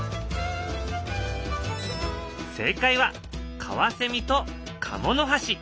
正解はカワセミとカモノハシ。